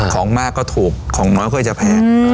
ของมากก็ถูกของน้อยก็จะแพง